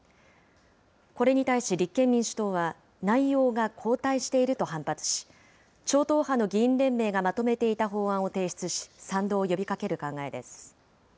これに対し立憲民主党は、内容が後退していると反発し、超党派の議員連盟がまとめていた法案を提出し、賛同を呼びかける考えです。